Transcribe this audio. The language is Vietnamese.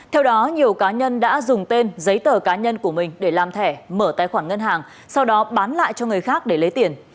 theo đó nhiều cá nhân đã dùng tên giấy tờ cá nhân của mình để làm thẻ mở tài khoản ngân hàng sau đó bán lại cho người khác để lấy tiền